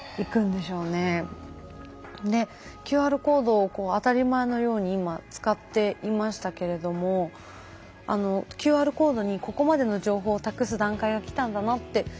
ＱＲコードを当たり前のように今使っていましたけれどもＱＲコードにここまでの情報を託す段階が来たんだなって。